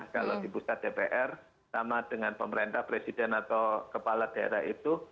kalau di pusat dpr sama dengan pemerintah presiden atau kepala daerah itu